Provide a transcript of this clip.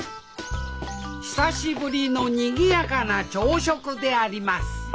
久しぶりのにぎやかな朝食であります